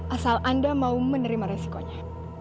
asal anda mau menerima resikonya